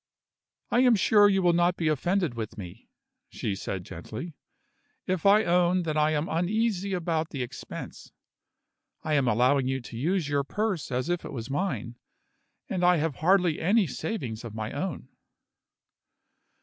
"I am sure you will not be offended with me," she said gently, "if I own that I am uneasy about the expense. I am allowing you to use your purse as if it was mine and I have hardly any savings of my own."